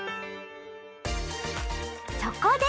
そこで！